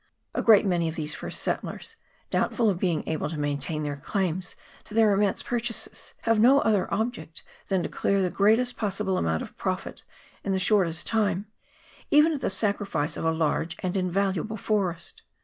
A great many of these first settlers, doubtful of being able to maintain their claims to their immense pur chases, have no other object than to clear the greatest possible amount of profit in the shortest time, even at the sacrifice of a large and invaluable forest.